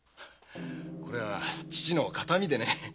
これは父の形見でね。